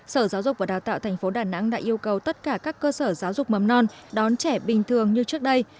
sở giáo dục và đào tạo tp đà nẵng đã yêu cầu tất cả các cơ sở giáo dục mầm non đón trẻ bình thường như trước đây